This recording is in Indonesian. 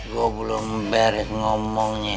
gue belum beres ngomongnya